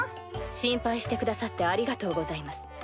心配してくださってありがとうございます。